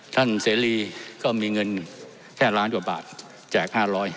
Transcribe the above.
เสรีก็มีเงินแค่ล้านกว่าบาทแจก๕๐๐